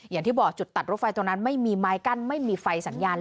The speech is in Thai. อย่างที่บอกจุดตัดรถไฟตรงนั้นไม่มีไม้กั้นไม่มีไฟสัญญาณ